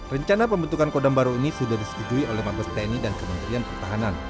rencana pembentukan kodam baru ini sudah disetujui oleh mabes tni dan kementerian pertahanan